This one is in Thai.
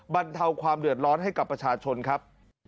บรรเทาความเดือดร้อนให้กับประชาชนครับ